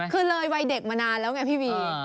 คือเลยวัยเด็กมานานแล้วไงพี่วี